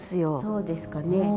そうですかね。